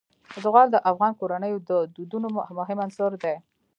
زغال د افغان کورنیو د دودونو مهم عنصر دی.